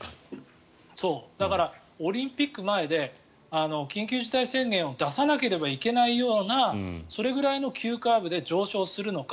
だから、オリンピック前で緊急事態宣言を出さなければいけないようなそれぐらいの急カーブで上昇するのか。